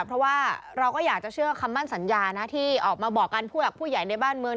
เพราะว่าเราก็อยากจะเชื่อคำมั่นสัญญานะที่ออกมาบอกกันผู้หลักผู้ใหญ่ในบ้านเมือง